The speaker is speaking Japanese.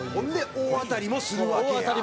大当たりもする！